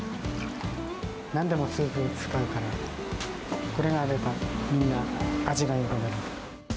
なんでもスープに使うから、これがあれば、みんな味がよくなる。